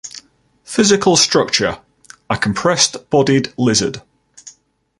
Physical Structure: A compressed bodied lizard.